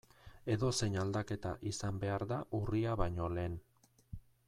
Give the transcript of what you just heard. Edozein aldaketa izan behar da urria baino lehen.